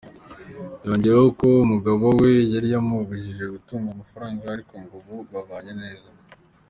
Yongeyeho ko umugabo we yari yaramubujije gutunga amafaranga ariko ngo ubu babanye neza.